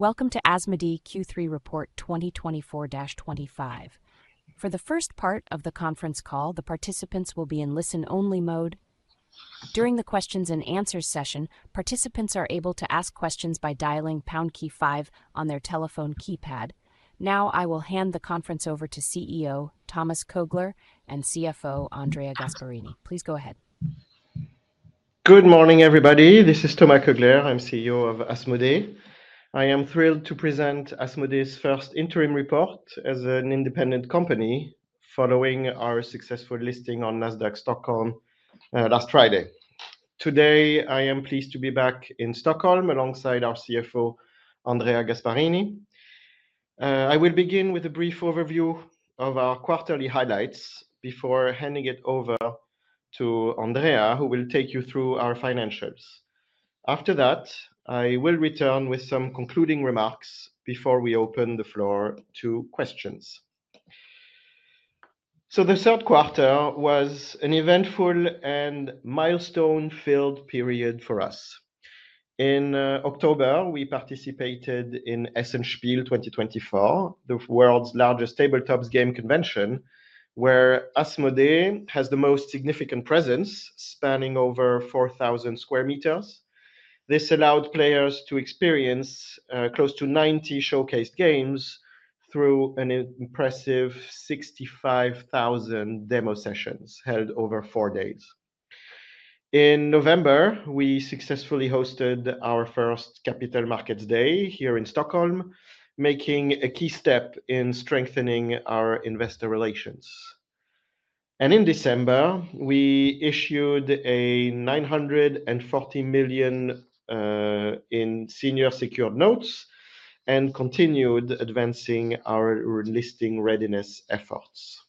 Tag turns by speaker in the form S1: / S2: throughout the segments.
S1: Welcome to Asmodee Q3 Report 2024-2025. For the first part of the conference call, the participants will be in listen-only mode. During the Q&A session, participants are able to ask questions by dialing pound key five on their telephone keypad. Now, I will hand the conference over to CEO Thomas Kœgler and CFO Andrea Gasparini. Please go ahead.
S2: Good morning, everybody. This is Thomas Kœgler. I'm CEO of Asmodee. I am thrilled to present Asmodee's First Interim Report as an Independent Company, following our successful listing on Nasdaq Stockholm last Friday. Today, I am pleased to be back in Stockholm alongside our CFO, Andrea Gasparini. I will begin with a brief overview of our quarterly highlights before handing it over to Andrea, who will take you through our financials. After that, I will return with some concluding remarks before we open the floor to questions. So, the third quarter was an eventful and milestone-filled period for us. In October, we participated in Essen Spiel 2024, the world's largest tabletop game convention, where Asmodee has the most significant presence, spanning over 4,000 sq m. This allowed players to experience close to 90 showcased games through an impressive 65,000 demo sessions held over four days. In November, we successfully hosted our first Capital Markets Day here in Stockholm, making a key step in strengthening our investor relations. And in December, we issued $940 million in senior secured notes and continued advancing our listing readiness efforts.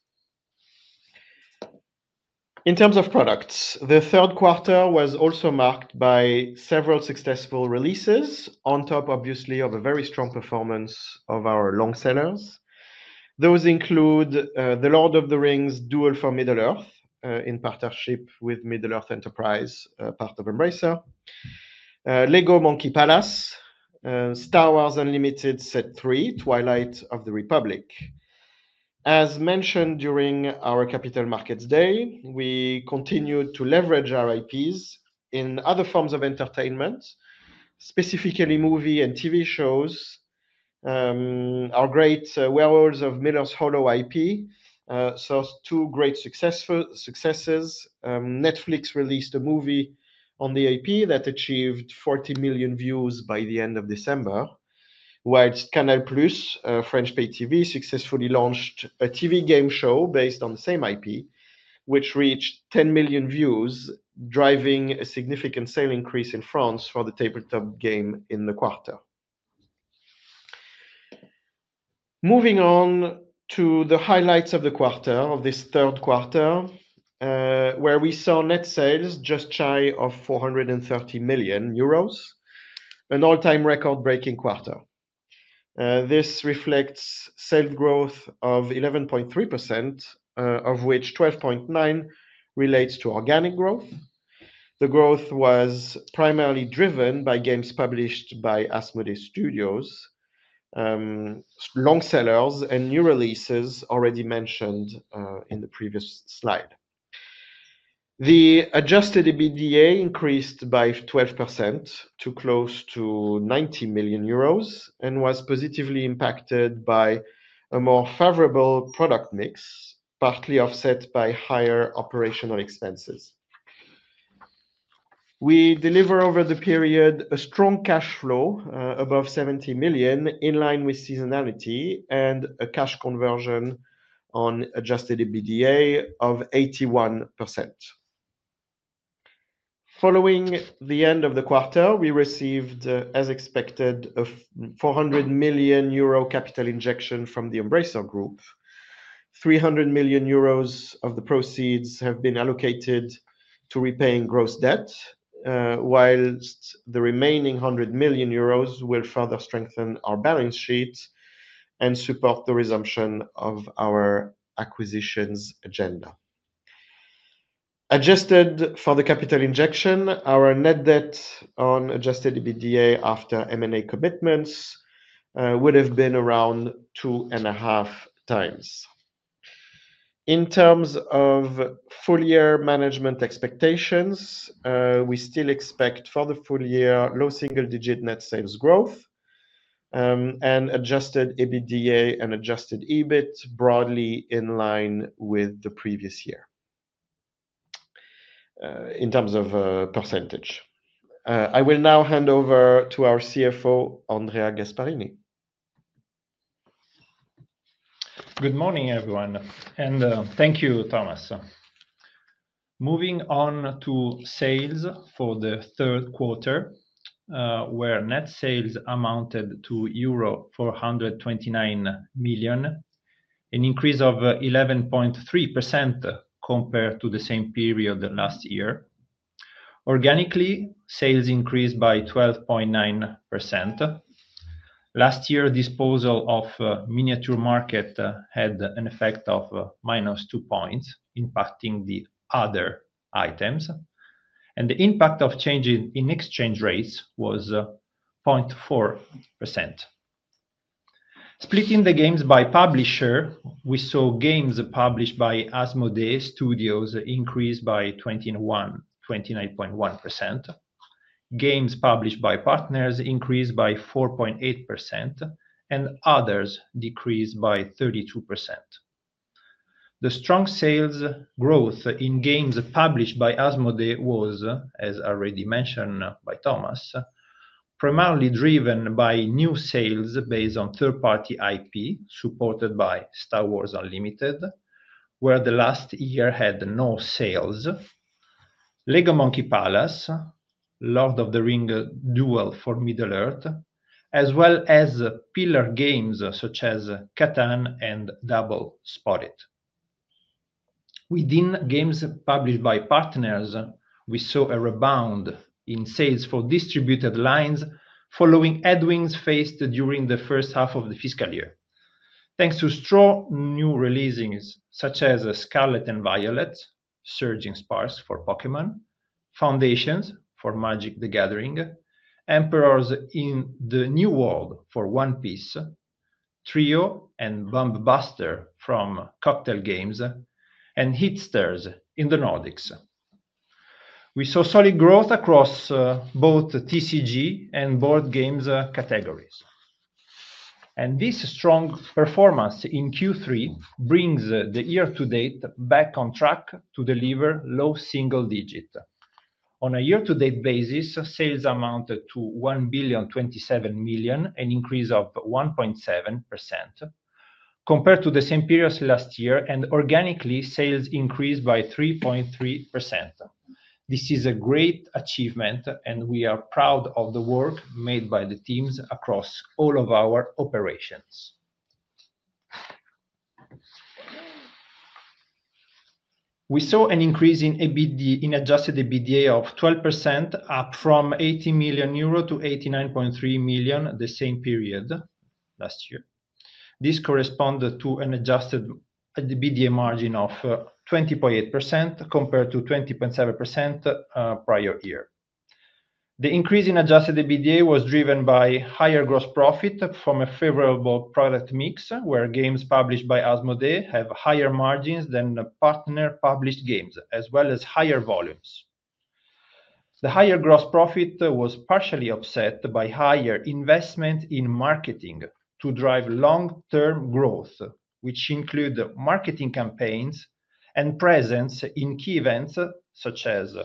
S2: In terms of products, the third quarter was also marked by several successful releases, on top, obviously, of a very strong performance of our long sellers. Those include The Lord of the Rings: Duel for Middle-earth, in partnership with Middle-earth Enterprises, part of Embracer; LEGO Monkey Palace; Star Wars Unlimited Set 3: Twilight of the Republic. As mentioned during our Capital Markets Day, we continued to leverage our IPs in other forms of entertainment, specifically movie and TV shows. Our great Werewolves of Miller's Hollow IP saw two great successes. Netflix released a movie on the IP that achieved 40 million views by the end of December, while Canal+, a French paid TV, successfully launched a TV game show based on the same IP, which reached 10 million views, driving a significant sale increase in France for the tabletop game in the quarter. Moving on to the highlights of the quarter, of this third quarter, where we saw net sales just shy of 430 million euros, an all-time record-breaking quarter. This reflects sales growth of 11.3%, of which 12.9% relates to organic growth. The growth was primarily driven by games published by Asmodee Studios, long sellers, and new releases already mentioned in the previous slide. The adjusted EBITDA increased by 12% to close to 90 million euros and was positively impacted by a more favorable product mix, partly offset by higher operational expenses. We delivered over the period a strong cash flow above 70 million, in line with seasonality, and a cash conversion on adjusted EBITDA of 81%. Following the end of the quarter, we received, as expected, a 400 million euro capital injection from the Embracer Group. 300 million euros of the proceeds have been allocated to repaying gross debt, while the remaining 100 million euros will further strengthen our balance sheet and support the resumption of our acquisitions agenda. Adjusted for the capital injection, our net debt on adjusted EBITDA after M&A commitments would have been around two and a half times. In terms of full-year management expectations, we still expect for the full year low single-digit net sales growth and adjusted EBITDA and adjusted EBIT broadly in line with the previous year in terms of percentage. I will now hand over to our CFO, Andrea Gasparini.
S3: Good morning, everyone, and thank you, Thomas. Moving on to sales for the third quarter, where net sales amounted to euro 429 million, an increase of 11.3% compared to the same period last year. Organically, sales increased by 12.9%. Last year, disposal of Miniature Market had an effect of minus two points, impacting the other items. The impact of changes in exchange rates was 0.4%. Splitting the games by publisher, we saw games published by Asmodee Studios increase by 29.1%, games published by partners increased by 4.8%, and others decreased by 32%. The strong sales growth in games published by Asmodee was, as already mentioned by Thomas, primarily driven by new sales based on third-party IP supported by Star Wars Unlimited, where the last year had no sales. LEGO Monkey Palace, Lord of the Rings: Duel for Middle-earth, as well as pillar games such as Catan and Dobble. Within games published by partners, we saw a rebound in sales for distributed lines following headwinds faced during the first half of the fiscal year, thanks to new releases such as Scarlet and Violet: Surging Sparks for Pokémon. Foundations for Magic: The Gathering, Emperors in the New World for One Piece, Trio and Bomb Busters from Cocktail Games, and Hitster in the Nordics. We saw solid growth across both TCG and board games categories, and this strong performance in Q3 brings the year-to-date back on track to deliver low single-digit. On a year-to-date basis, sales amounted to 1.27 billion, an increase of 1.7%, compared to the same period last year, and organically, sales increased by 3.3%. This is a great achievement, and we are proud of the work made by the teams across all of our operations. We saw an increase in adjusted EBITDA of 12%, up from 80 million euro to 89.3 million the same period last year. This corresponds to an adjusted EBITDA margin of 20.8% compared to 20.7% prior year. The increase in adjusted EBITDA was driven by higher gross profit from a favorable product mix, where games published by Asmodee have higher margins than partner-published games, as well as higher volumes. The higher gross profit was partially offset by higher investment in marketing to drive long-term growth, which included marketing campaigns and presence in key events such as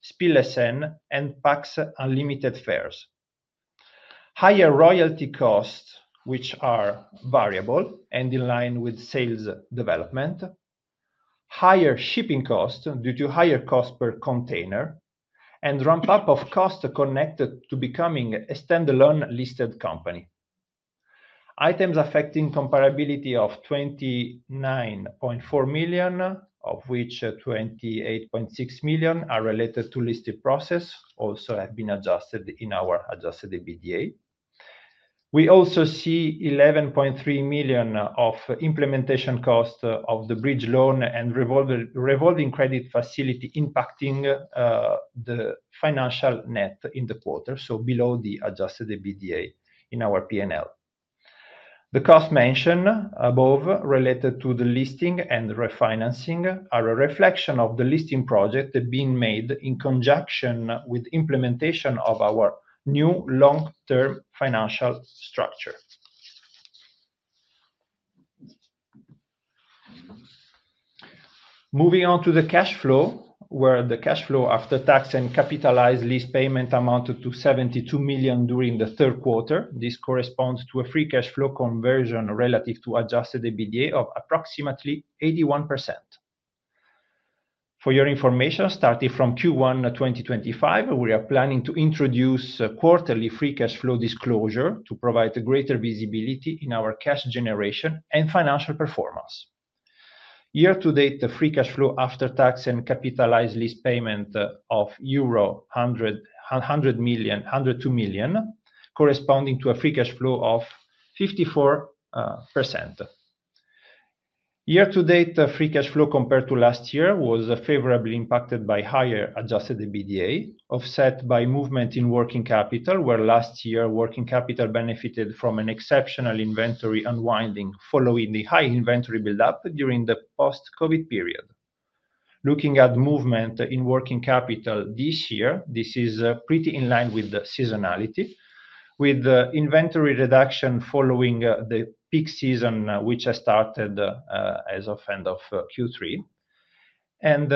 S3: Spiel Essen and PAX Unlimited fairs. Higher royalty costs, which are variable and in line with sales development, higher shipping costs due to higher cost per container, and ramp-up of costs connected to becoming a standalone listed company. Items affecting comparability of 29.4 million, of which 28.6 million are related to listing process, also have been adjusted in our adjusted EBITDA. We also see 11.3 million of implementation costs of the bridge loan and revolving credit facility impacting the financial net in the quarter, so below the adjusted EBITDA in our P&L. The costs mentioned above, related to the listing and refinancing, are a reflection of the listing project being made in conjunction with implementation of our new long-term financial structure. Moving on to the cash flow, where the cash flow after tax and capitalized lease payment amounted to 72 million during the third quarter. This corresponds to a free cash flow conversion relative to adjusted EBITDA of approximately 81%. For your information, starting from Q1 2025, we are planning to introduce a quarterly free cash flow disclosure to provide greater visibility in our cash generation and financial performance. Year-to-date, the free cash flow after tax and capitalized lease payment of 102 million, corresponding to a free cash flow of 54%. Year-to-date, the free cash flow compared to last year was favorably impacted by higher adjusted EBITDA, offset by movement in working capital, where last year working capital benefited from an exceptional inventory unwinding following the high inventory build-up during the Post-COVID period. Looking at movement in working capital this year, this is pretty in line with the seasonality, with inventory reduction following the peak season, which has started as of end of Q3, and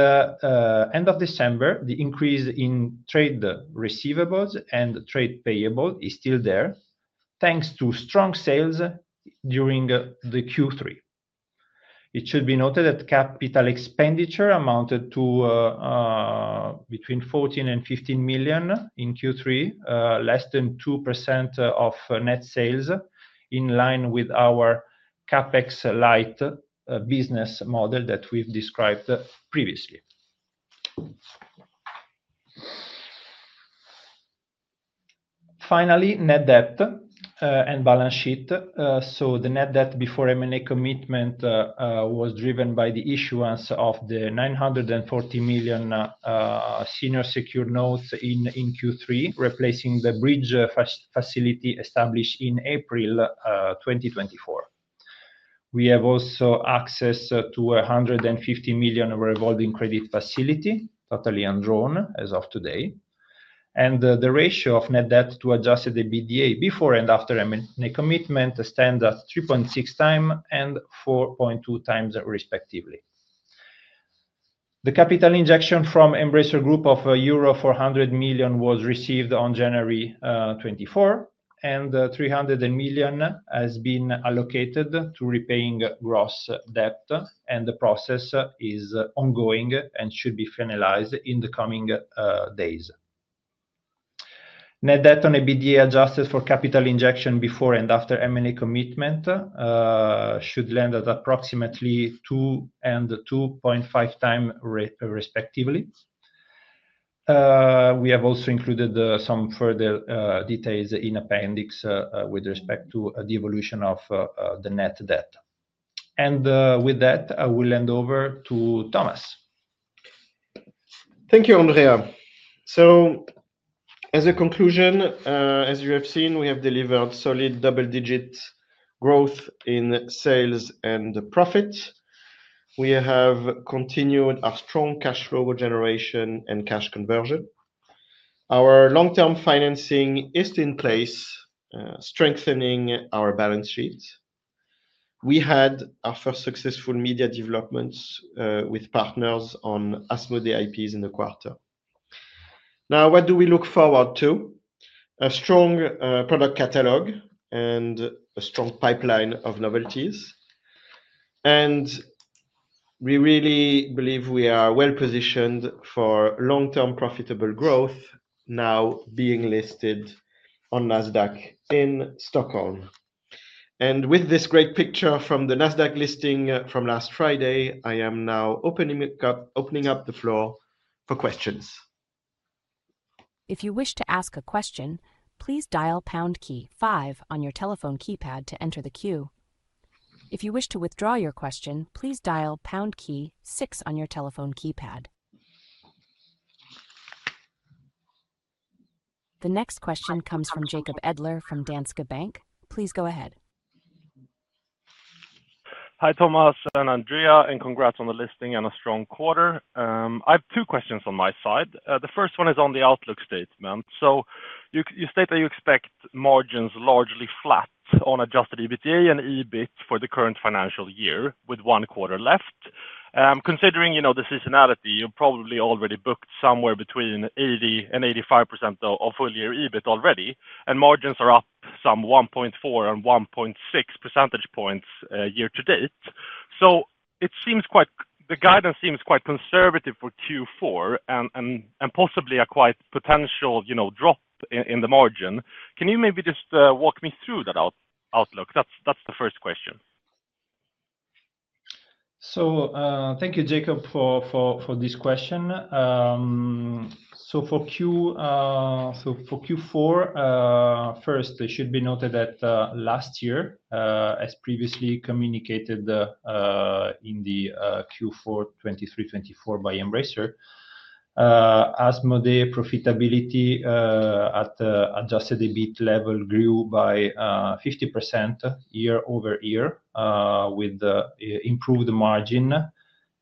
S3: end of December, the increase in trade receivables and trade payables is still there, thanks to strong sales during the Q3. It should be noted that capital expenditure amounted to 14-15 million in Q3, less than 2% of net sales, in line with our CapEx Light business model that we've described previously. Finally, net debt and balance sheet. The net debt before M&A commitment was driven by the issuance of the 940 million senior secured notes in Q3, replacing the bridge facility established in April 2024. We have also access to 150 million revolving credit facility, totally undrawn as of today. The ratio of net debt to adjusted EBITDA before and after M&A commitment stands at 3.6 times and 4.2 times, respectively. The capital injection from Embracer Group of euro 400 million was received on January 24, and 300 million has been allocated to repaying gross debt, and the process is ongoing and should be finalized in the coming days. Net debt on EBITDA adjusted for capital injection before and after M&A commitment should land at approximately 2 and 2.5 times, respectively. We have also included some further details in the appendix with respect to the evolution of the net debt. And with that, I will hand over to Thomas.
S2: Thank you, Andrea. So as a conclusion, as you have seen, we have delivered solid double-digit growth in sales and profits. We have continued our strong cash flow generation and cash conversion. Our long-term financing is in place, strengthening our balance sheet. We had our first successful media developments with partners on Asmodee IPs in the quarter. Now, what do we look forward to? A strong product catalog and a strong pipeline of novelties. And we really believe we are well positioned for long-term profitable growth, now being listed on Nasdaq in Stockholm. And with this great picture from the Nasdaq listing from last Friday, I am now opening up the floor for questions.
S1: If you wish to ask a question, please dial pound key five on your telephone keypad to enter the queue. If you wish to withdraw your question, please dial pound key six on your telephone keypad. The next question comes from Jacob Edler from Danske Bank. Please go ahead.
S4: Hi, Thomas and Andrea, and congrats on the listing and a strong quarter. I have two questions on my side. The first one is on the outlook statement. So you state that you expect margins largely flat on Adjusted EBITDA and EBIT for the current financial year, with one quarter left. Considering the seasonality, you're probably already booked somewhere between 80%-85% of full-year EBIT already, and margins are up some 1.4% and 1.6% points year-to-date. So the guidance seems quite conservative for Q4 and possibly quite a potential drop in the margin. Can you maybe just walk me through that outlook? That's the first question.
S2: Thank you, Jacob, for this question. For Q4, first, it should be noted that last year, as previously communicated in the Q4 23/24 by Embracer, Asmodee profitability at Adjusted EBIT level grew by 50% year-over-year, with improved margin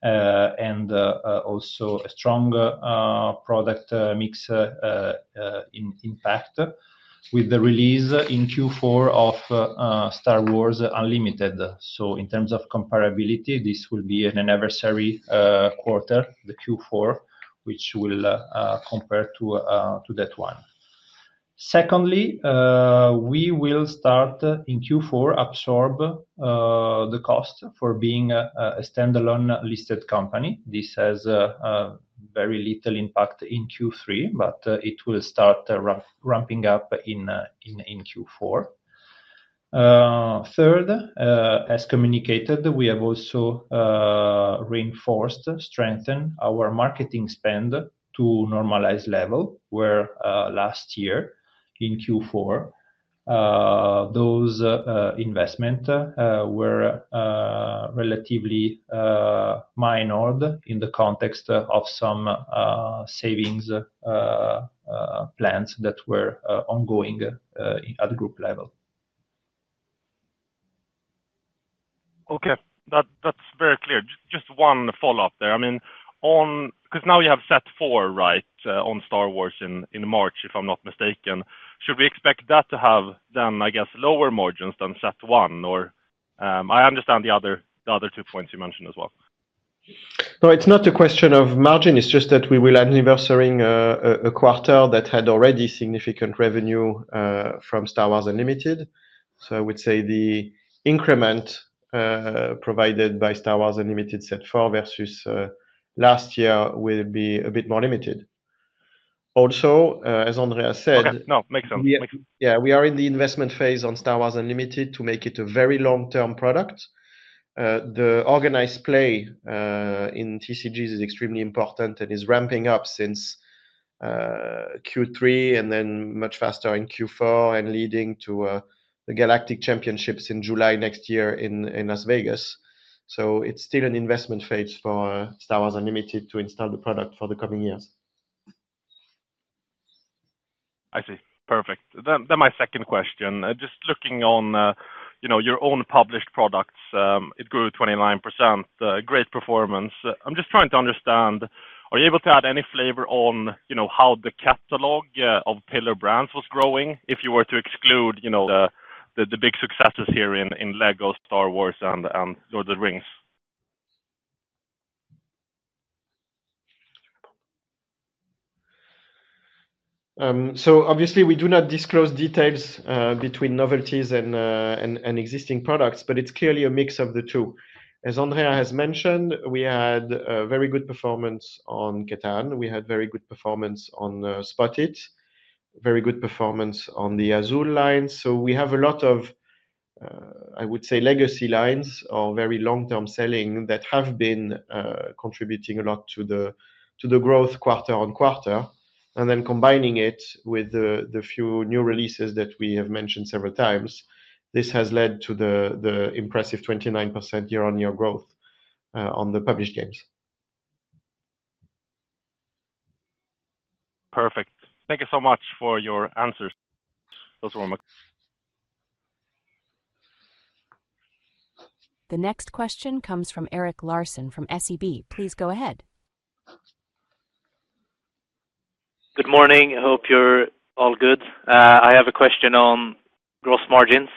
S2: and also a strong product mix impact, with the release in Q4 of Star Wars Unlimited. In terms of comparability, this will be an adverse quarter, the Q4, which will compare to that one. Secondly, we will start in Q4 absorb the cost for being a standalone listed company. This has very little impact in Q3, but it will start ramping up in Q4. Third, as communicated, we have also reinforced, strengthened our marketing spend to normalized level, where last year in Q4, those investments were relatively minor in the context of some savings plans that were ongoing at group level.
S4: Okay. That's very clear. Just one follow-up there. I mean, because now we have set four, right, on Star Wars in March, if I'm not mistaken, should we expect that to have then, I guess, lower margins than set one? Or I understand the other two points you mentioned as well.
S2: It's not a question of margin. It's just that we will be lapping a quarter that had already significant revenue from Star Wars Unlimited. I would say the increment provided by Star Wars Unlimited set 4 versus last year will be a bit more limited. Also, as Andrea said.
S4: No, makes sense.
S2: Yeah, we are in the investment phase on Star Wars Unlimited to make it a very long-term product. The organized play in TCGs is extremely important and is ramping up since Q3 and then much faster in Q4 and leading to the Galactic Championships in July next year in Las Vegas. So it's still an investment phase for Star Wars Unlimited to install the product for the coming years.
S4: I see. Perfect. Then my second question, just looking on your own published products, it grew 29%. Great performance. I'm just trying to understand, are you able to add any flavor on how the catalog of pillar brands was growing if you were to exclude the big successes here in LEGO, Star Wars, and Lord of the Rings?
S2: So obviously, we do not disclose details between novelties and existing products, but it's clearly a mix of the two. As Andrea has mentioned, we had very good performance on Catan. We had very good performance on Spot It. Very good performance on the Azul line. So we have a lot of, I would say, legacy lines or very long-term selling that have been contributing a lot to the growth quarter on quarter. And then combining it with the few new releases that we have mentioned several times, this has led to the impressive 29% year-on-year growth on the published games.
S4: Perfect. Thank you so much for your answers. Those were my questions.
S1: The next question comes from Erik Larsson from SEB. Please go ahead.
S5: Good morning. I hope you're all good. I have a question on gross margins,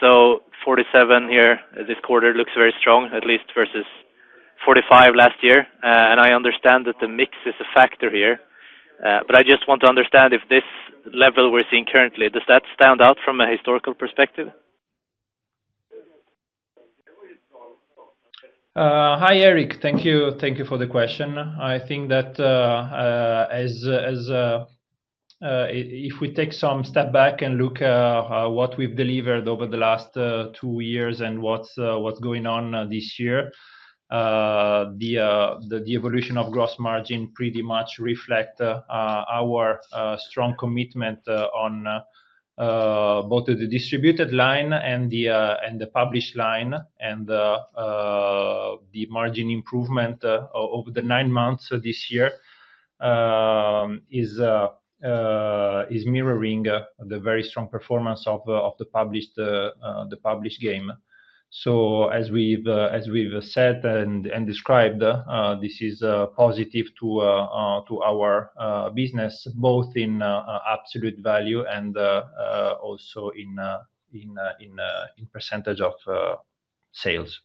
S5: so 47% here this quarter looks very strong, at least versus 45% last year. I understand that the mix is a factor here, but I just want to understand if this level we're seeing currently does that stand out from a historical perspective?
S2: Hi, Erik. Thank you for the question. I think that if we take some step back and look at what we've delivered over the last two years and what's going on this year, the evolution of gross margin pretty much reflects our strong commitment on both the distributed line and the published line. And the margin improvement over the nine months this year is mirroring the very strong performance of the published game, so as we've said and described, this is positive to our business, both in absolute value and also in percentage of sales.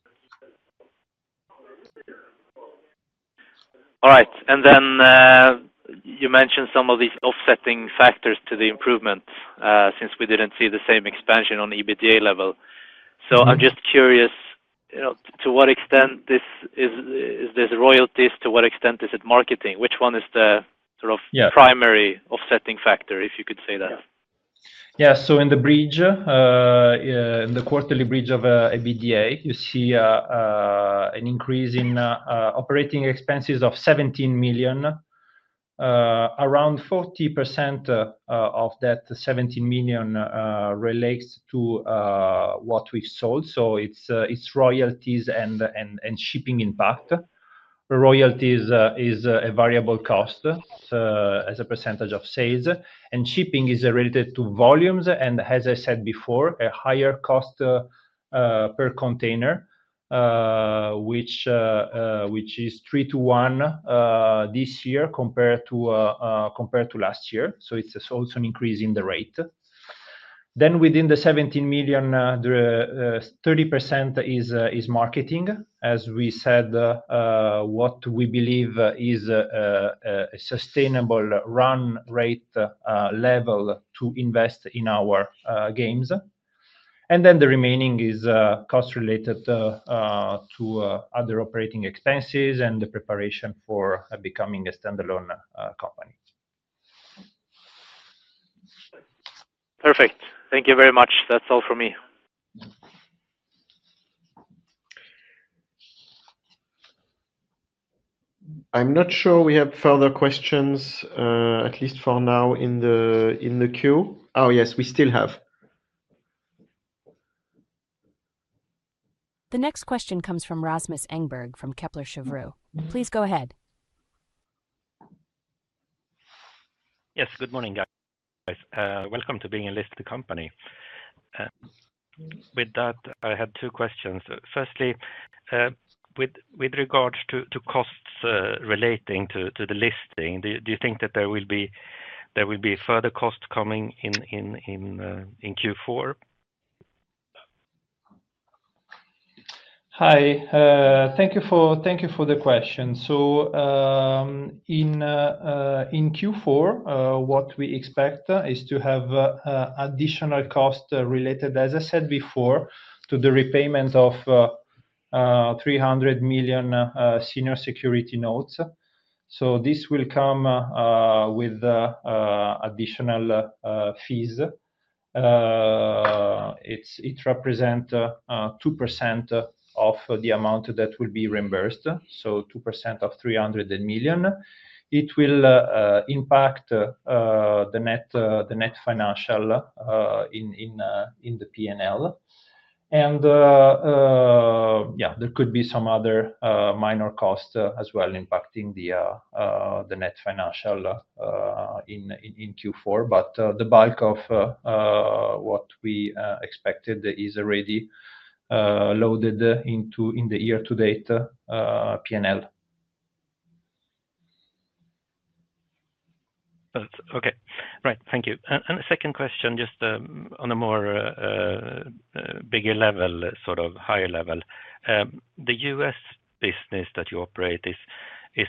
S5: All right, and then you mentioned some of these offsetting factors to the improvement since we didn't see the same expansion on EBITDA level, so I'm just curious, to what extent is this royalties? To what extent is it marketing? Which one is the sort of primary offsetting factor, if you could say that?
S3: Yeah. So in the quarterly bridge of EBITDA, you see an increase in operating expenses of 17 million. Around 40% of that 17 million relates to what we sold. So it's royalties and shipping impact. Royalties is a variable cost as a percentage of sales. And shipping is related to volumes and, as I said before, a higher cost per container, which is three to one this year compared to last year. So it's also an increase in the rate. Then within the 17 million, 30% is marketing, as we said, what we believe is a sustainable run rate level to invest in our games. And then the remaining is cost related to other operating expenses and the preparation for becoming a standalone company.
S5: Perfect. Thank you very much. That's all for me.
S2: I'm not sure we have further questions, at least for now in the queue. Oh, yes, we still have.
S1: The next question comes from Rasmus Engberg from Kepler Cheuvreux. Please go ahead.
S6: Yes. Good morning, guys. Welcome to being a listed company. With that, I had two questions. Firstly, with regards to costs relating to the listing, do you think that there will be further costs coming in Q4?
S2: Hi. Thank you for the question. So in Q4, what we expect is to have additional costs related, as I said before, to the repayment of 300 million senior secured notes, so this will come with additional fees. It represents 2% of the amount that will be reimbursed, so 2% of 300 million. It will impact the net financial in the P&L, and yeah, there could be some other minor costs as well impacting the net financial in Q4, but the bulk of what we expected is already loaded into the year-to-date P&L.
S6: Okay. Right. Thank you. And the second question, just on a more bigger level, sort of higher level. The U.S. business that you operate is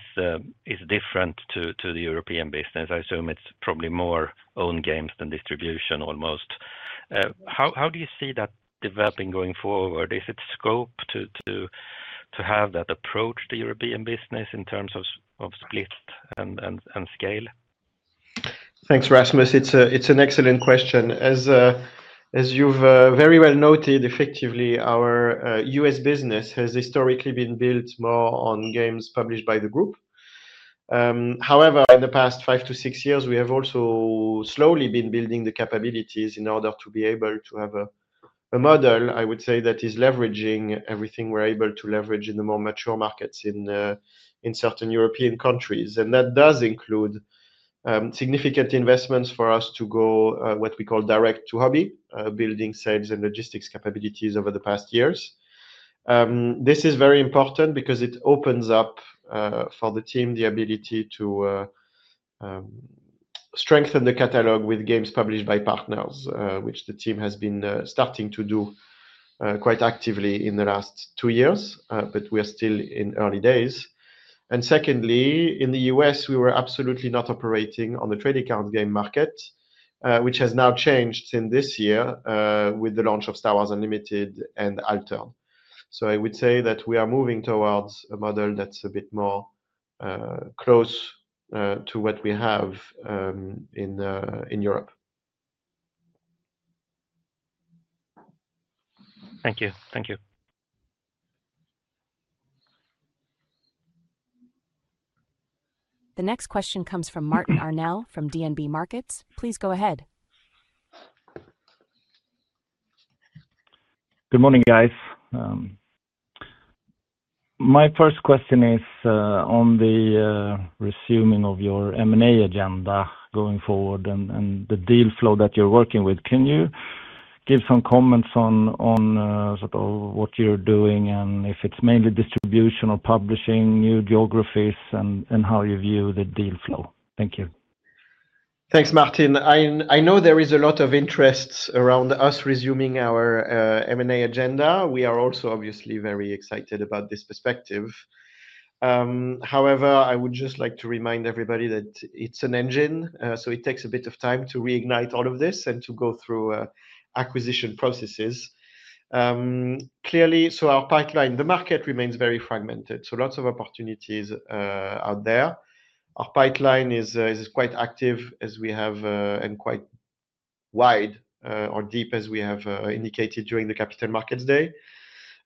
S6: different to the European business. I assume it's probably more own games than distribution almost. How do you see that developing going forward? Is it scoped to have that approach, the European business, in terms of split and scale?
S2: Thanks, Rasmus. It's an excellent question. As you've very well noted, effectively, our U.S. business has historically been built more on games published by the group. However, in the past five to six years, we have also slowly been building the capabilities in order to be able to have a model, I would say, that is leveraging everything we're able to leverage in the more mature markets in certain European countries. And that does include significant investments for us to go what we call direct-to-hobby, building sales and logistics capabilities over the past years. This is very important because it opens up for the team the ability to strengthen the catalog with games published by partners, which the team has been starting to do quite actively in the last two years, but we are still in early days. Secondly, in the U.S., we were absolutely not operating on the trading card game market, which has now changed since this year with the launch of Star Wars Unlimited and Altered. I would say that we are moving towards a model that's a bit more close to what we have in Europe.
S6: Thank you. Thank you.
S1: The next question comes from Martin Arnell from DNB Markets. Please go ahead.
S7: Good morning, guys. My first question is on the resuming of your M&A agenda going forward and the deal flow that you're working with. Can you give some comments on sort of what you're doing and if it's mainly distribution or publishing new geographies and how you view the deal flow? Thank you.
S2: Thanks, Martin. I know there is a lot of interest around us resuming our M&A agenda. We are also obviously very excited about this perspective. However, I would just like to remind everybody that it's an engine, so it takes a bit of time to reignite all of this and to go through acquisition processes. Clearly, so our pipeline, the market remains very fragmented. So lots of opportunities out there. Our pipeline is quite active as we have and quite wide or deep as we have indicated during the Capital Markets Day.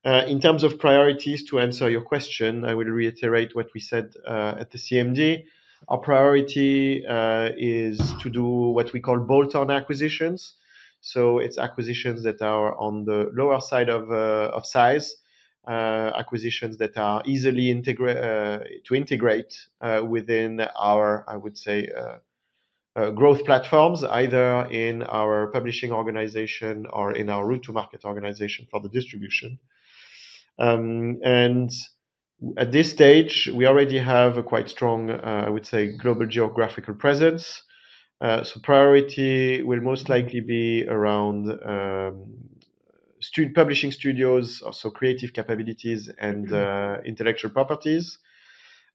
S2: In terms of priorities, to answer your question, I will reiterate what we said at the CMD. Our priority is to do what we call bolt-on acquisitions. It's acquisitions that are on the lower side of size, acquisitions that are easily to integrate within our, I would say, growth platforms, either in our publishing organization or in our route-to-market organization for the distribution. At this stage, we already have a quite strong, I would say, global geographical presence. Priority will most likely be around publishing studios, also creative capabilities and intellectual properties.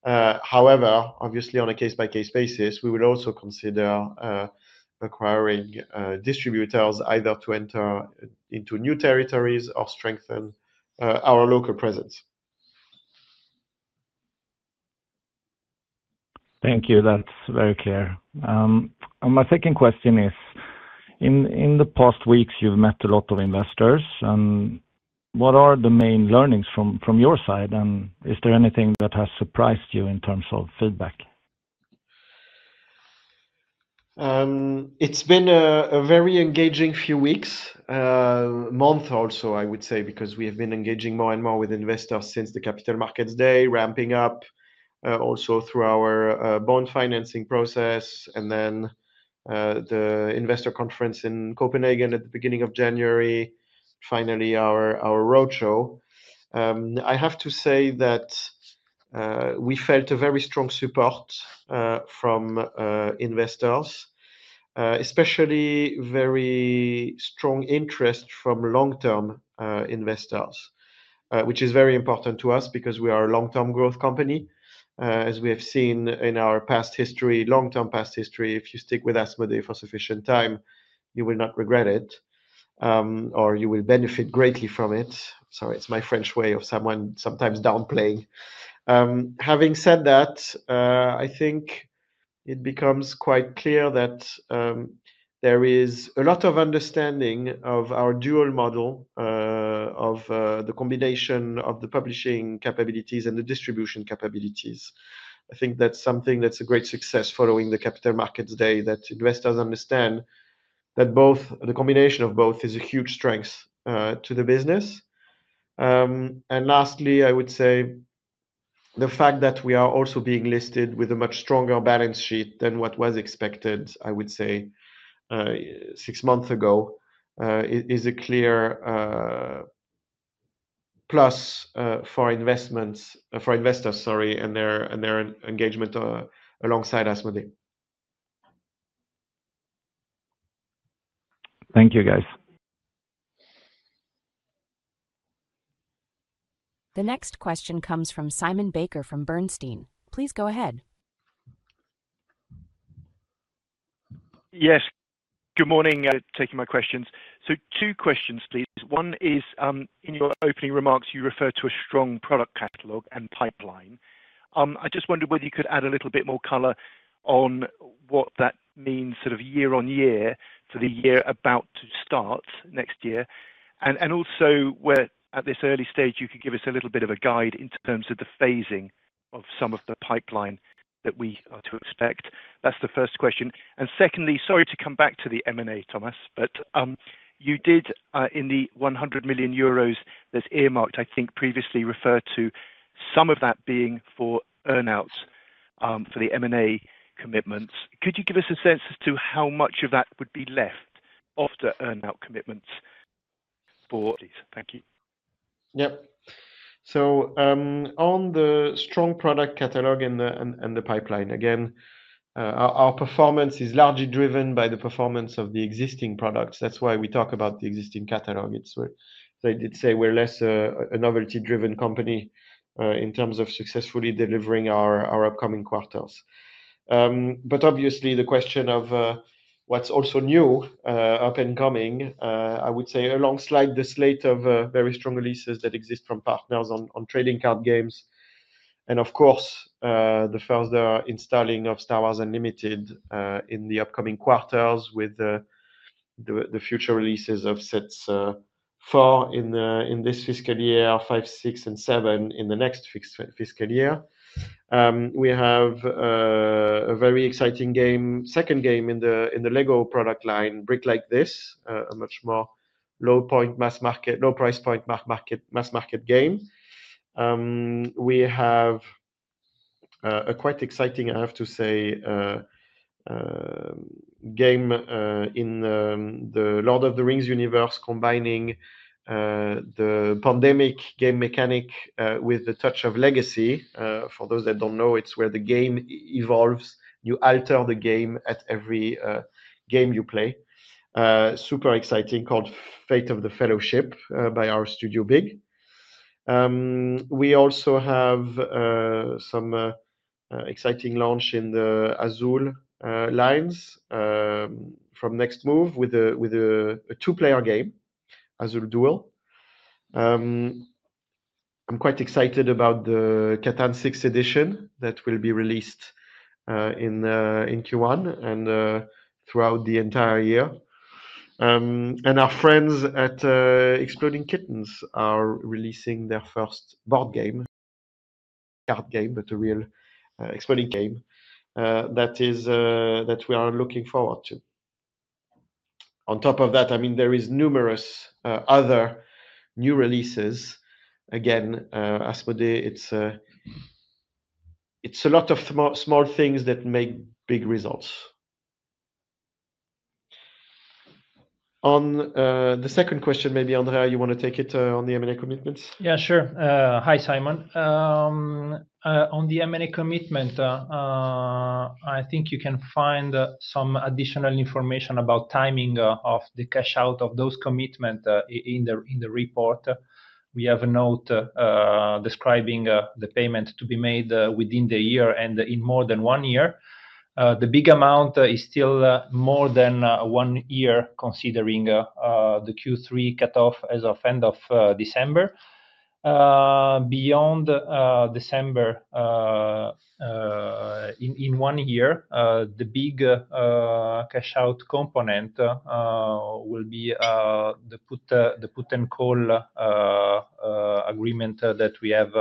S2: However, obviously, on a case-by-case basis, we will also consider acquiring distributors either to enter into new territories or strengthen our local presence.
S7: Thank you. That's very clear. My second question is, in the past weeks, you've met a lot of investors. And what are the main learnings from your side? And is there anything that has surprised you in terms of feedback?
S2: It's been a very engaging few weeks, month also, I would say, because we have been engaging more and more with investors since the Capital Markets Day, ramping up also through our bond financing process, and then the investor conference in Copenhagen at the beginning of January, finally our roadshow. I have to say that we felt a very strong support from investors, especially very strong interest from long-term investors, which is very important to us because we are a long-term growth company. As we have seen in our past history, if you stick with Asmodee for sufficient time, you will not regret it or you will benefit greatly from it. Sorry, it's my French way of sometimes downplaying. Having said that, I think it becomes quite clear that there is a lot of understanding of our dual model of the combination of the publishing capabilities and the distribution capabilities. I think that's something that's a great success following the Capital Markets Day that investors understand that both the combination of both is a huge strength to the business. And lastly, I would say the fact that we are also being listed with a much stronger balance sheet than what was expected, I would say, six months ago is a clear plus for investors, sorry, and their engagement alongside Asmodee.
S7: Thank you, guys.
S1: The next question comes from Simon Baker from Bernstein. Please go ahead.
S8: Yes. Good morning. Taking my questions. So two questions, please. One is, in your opening remarks, you refer to a strong product catalog and pipeline. I just wondered whether you could add a little bit more color on what that means sort of year on year for the year about to start next year. And also, at this early stage, you could give us a little bit of a guide in terms of the phasing of some of the pipeline that we are to expect. That's the first question. And secondly, sorry to come back to the M&A, Thomas, but you did, in the 100 million euros that's earmarked, I think previously referred to some of that being for earnouts for the M&A commitments. Could you give us a sense as to how much of that would be left after earnout commitments for? Please. Thank you.
S2: Yep. So on the strong product catalog and the pipeline, again, our performance is largely driven by the performance of the existing products. That's why we talk about the existing catalog. It's like they'd say we're less a novelty-driven company in terms of successfully delivering our upcoming quarters. But obviously, the question of what's also new up and coming, I would say alongside the slate of very strong releases that exist from partners on trading card games. And of course, the further installing of Star Wars Unlimited in the upcoming quarters with the future releases of Sets 4 in this fiscal year, 5, 6, and 7 in the next fiscal year. We have a very exciting second game in the LEGO product line, Brick Like This, a much more low-point mass market, low-price point mass market game. We have a quite exciting, I have to say, game in the Lord of the Rings Universe combining the pandemic game mechanic with the touch of legacy. For those that don't know, it's where the game evolves. You alter the game at every game you play. Super exciting called Fate of the Fellowship by our Studio Big. We also have some exciting launch in the Azul lines from Next Move with a two-player game, Azul Duel. I'm quite excited about the Catan 6th edition that will be released in Q1 and throughout the entire year. Our friends at Exploding Kittens are releasing their first board game, card game, but a real Exploding game that we are looking forward to. On top of that, I mean, there are numerous other new releases. Again, Asmodee, it's a lot of small things that make big results. On the second question, maybe, Andrea, you want to take it on the M&A commitments?
S3: Yeah, sure. Hi, Simon. On the M&A commitment, I think you can find some additional information about timing of the cash-out of those commitments in the report. We have a note describing the payment to be made within the year and in more than one year. The big amount is still more than one year, considering the Q3 cut-off as of end of December. Beyond December, in one year, the big cash-out component will be the put and call agreement that we have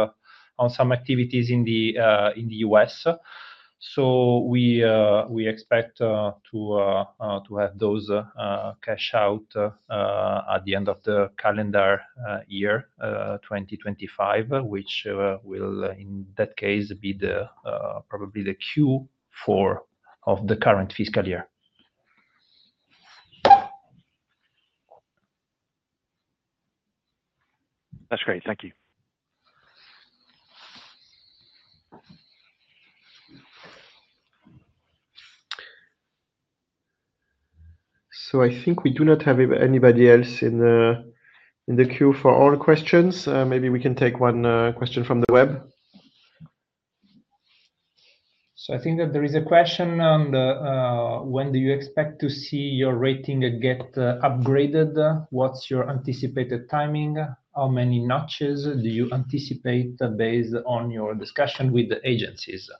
S3: on some activities in the U.S. So we expect to have those cash-out at the end of the calendar year 2025, which will, in that case, be probably the Q4 of the current fiscal year.
S8: That's great. Thank you.
S2: So I think we do not have anybody else in the queue for all questions. Maybe we can take one question from the web.
S3: I think that there is a question on when do you expect to see your rating get upgraded? What's your anticipated timing? How many notches do you anticipate based on your discussion with the agencies?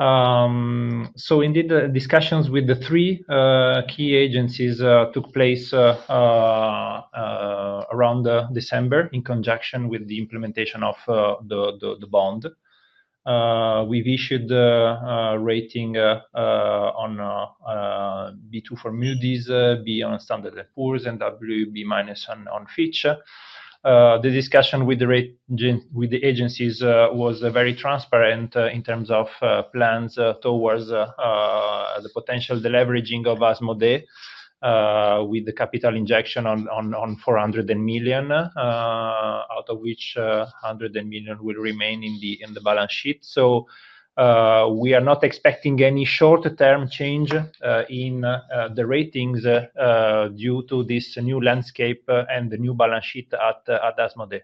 S3: Indeed, discussions with the three key agencies took place around December in conjunction with the implementation of the bond. We have ratings of B2 for Moody's, B for Standard & Poor's, and BB- for Fitch. The discussion with the agencies was very transparent in terms of plans towards the potential leveraging of Asmodee with the capital injection of 400 million, out of which 100 million will remain in the balance sheet. We are not expecting any short-term change in the ratings due to this new landscape and the new balance sheet at Asmodee.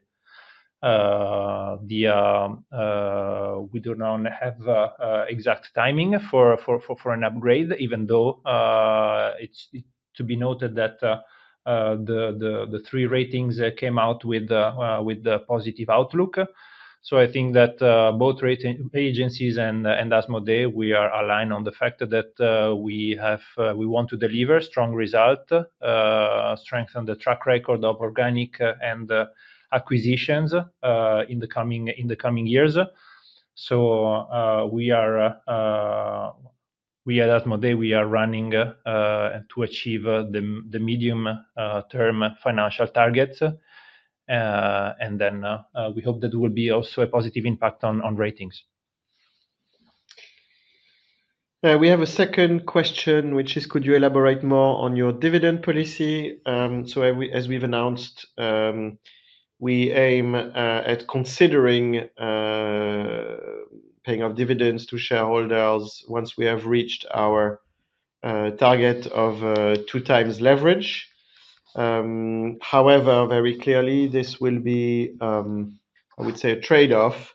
S3: We do not have exact timing for an upgrade, even though it's to be noted that the three ratings came out with a positive outlook, so I think that both agencies and Asmodee, we are aligned on the fact that we want to deliver strong results, strengthen the track record of organic and acquisitions in the coming years, so we at Asmodee, we are running to achieve the medium-term financial targets, and then we hope that will be also a positive impact on ratings.
S2: We have a second question, which is, could you elaborate more on your dividend policy? So as we've announced, we aim at considering paying off dividends to shareholders once we have reached our target of two times leverage. However, very clearly, this will be, I would say, a trade-off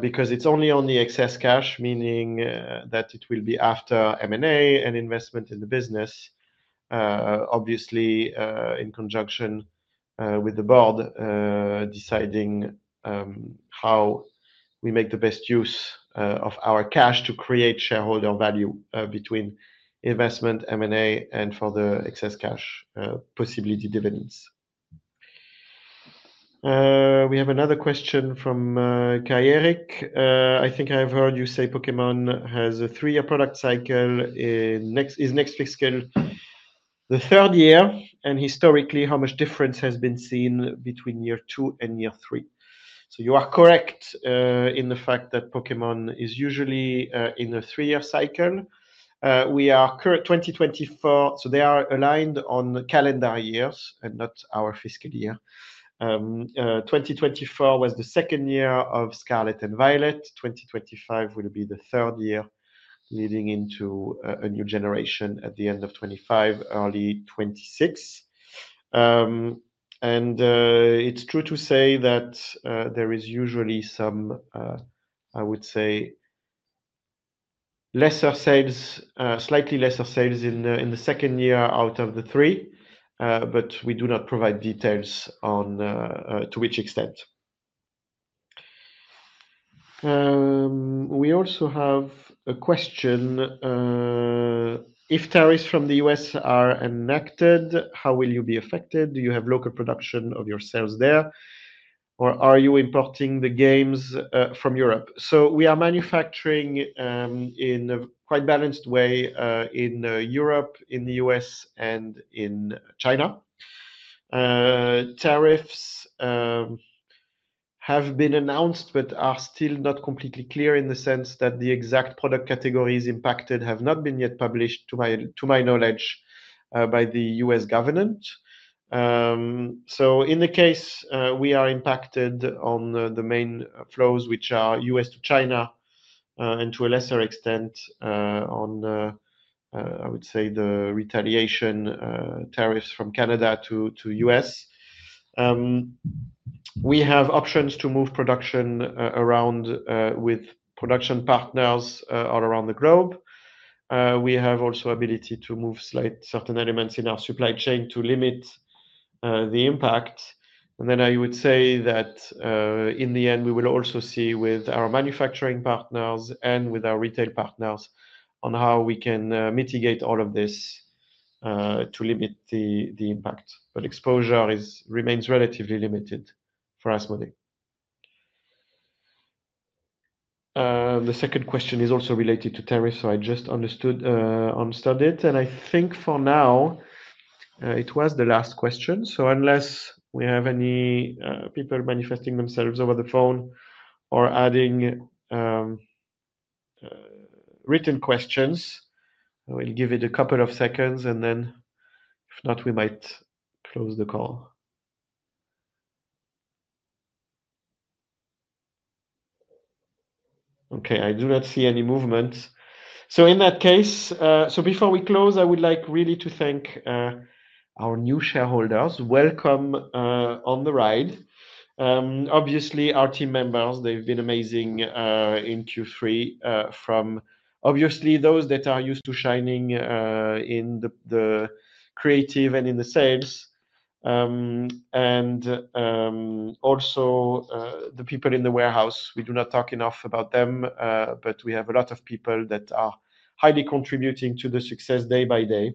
S2: because it's only on the excess cash, meaning that it will be after M&A and investment in the business, obviously in conjunction with the board deciding how we make the best use of our cash to create shareholder value between investment, M&A, and for the excess cash possibility dividends. We have another question from Kai-Erik. I think I've heard you say Pokémon has a three-year product cycle. Is next fiscal the third year? And historically, how much difference has been seen between year two and year three? You are correct in the fact that Pokémon is usually in a three-year cycle. We are currently in 2024, so they are aligned on calendar years and not our fiscal year. 2024 was the second year of Scarlet and Violet. 2025 will be the third year leading into a new generation at the end of 2025, early 2026, and it is true to say that there is usually some, I would say, slightly lesser sales in the second year out of the three, but we do not provide details as to which extent. We also have a question. If tariffs from the U.S. are enacted, how will you be affected? Do you have local production for your sales there? Or are you importing the games from Europe? We are manufacturing in a quite balanced way in Europe, in the U.S., and in China. Tariffs have been announced but are still not completely clear in the sense that the exact product categories impacted have not been yet published to my knowledge by the U.S. government. So in the case, we are impacted on the main flows, which are U.S. to China and to a lesser extent on, I would say, the retaliation tariffs from Canada to U.S. We have options to move production around with production partners all around the globe. We have also the ability to move certain elements in our supply chain to limit the impact. And then I would say that in the end, we will also see with our manufacturing partners and with our retail partners on how we can mitigate all of this to limit the impact. But exposure remains relatively limited for Asmodee. The second question is also related to tariffs, so I just understood on it. And I think for now, it was the last question. So unless we have any people manifesting themselves over the phone or adding written questions, we'll give it a couple of seconds, and then if not, we might close the call. Okay. I do not see any movement. So in that case, so before we close, I would like really to thank our new shareholders. Welcome on the ride. Obviously, our team members, they've been amazing in Q3 from obviously those that are used to shining in the creative and in the sales. And also the people in the warehouse. We do not talk enough about them, but we have a lot of people that are highly contributing to the success day by day.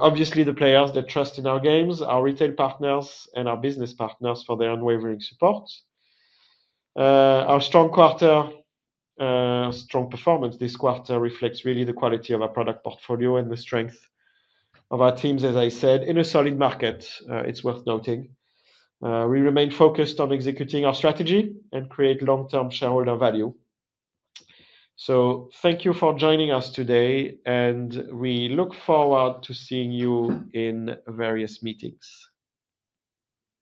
S2: Obviously, the players that trust in our games, our retail partners, and our business partners for their unwavering support. Our strong quarter, strong performance this quarter, reflects really the quality of our product portfolio and the strength of our teams, as I said, in a solid market. It's worth noting. We remain focused on executing our strategy and create long-term shareholder value, so thank you for joining us today, and we look forward to seeing you in various meetings.